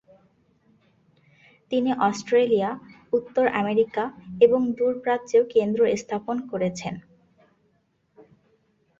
তিনি অস্ট্রেলিয়া, উত্তর আমেরিকা এবং দূর প্রাচ্যেও কেন্দ্র স্থাপন করেছেন।